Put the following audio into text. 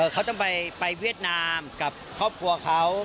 เขาต้องไปเวียดนามกับครอบครัวเขา